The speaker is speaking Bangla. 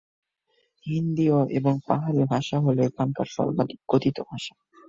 হিন্দি এবং পাহাড়ি ভাষা হল এখানকার সর্বাধিক কথিত ভাষা।